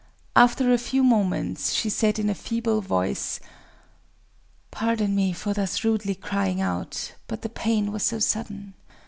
After a few moments she said, in a feeble voice: "Pardon me for thus rudely crying out—but the pain was so sudden!...